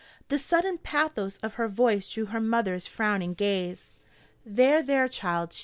The sudden pathos of her voice drew her mother's frowning gaze. "There, there, child!"